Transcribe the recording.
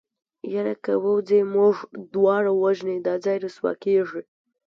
يره که ووځې موږ دواړه وژني دا ځای رسوا کېږي.